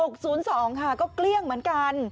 ค่ะก็เกลี้ยงเหมือนกัน